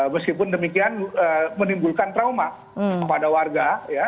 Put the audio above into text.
meskipun demikian menimbulkan trauma pada warga ya